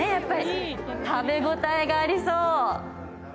食べ応えがありそう。